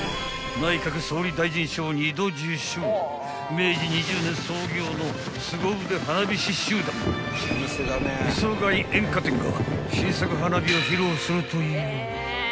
［明治２０年創業のすご腕花火師集団磯谷煙火店が新作花火を披露するという］